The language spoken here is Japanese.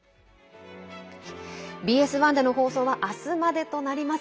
ＢＳ１での放送は明日までとなります。